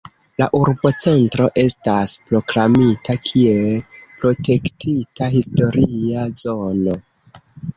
La urbocentro estas proklamita kiel protektita historia zono.